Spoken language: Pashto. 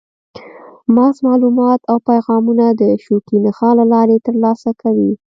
مغز معلومات او پیغامونه د شوکي نخاع له لارې ترلاسه کوي.